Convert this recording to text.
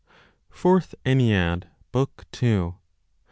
FOURTH ENNEAD, BOOK TWO.